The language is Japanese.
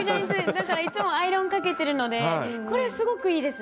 だからいつもアイロンかけてるのでこれすごくいいですね。